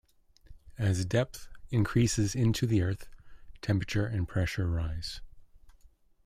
As depth increases into the Earth, temperature and pressure rise.